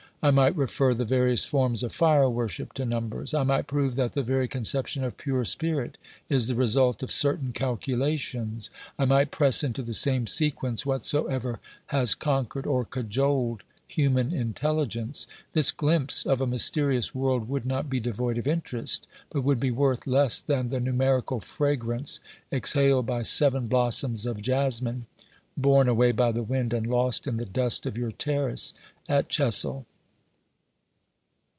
I might refer the various forms of fire worship to numbers ; I might prove that the very conception of pure spirit is the result of certain calculations ; I might press into the same sequence whatsoever has conquered or cajoled human intelligence. This glimpse of a mysterious world would not be devoid of interest, but would be worth less than the numerical fragrance exhaled by seven blossoms of jasmine, borne away by the wind and lost in the dust of your terrace at Chessel.